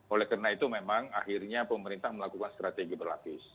oleh karena itu memang akhirnya pemerintah melakukan strategi berlapis